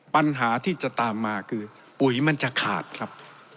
ปัญหาที่จะตามมาคือปุ๋ยมันจะขาดครับ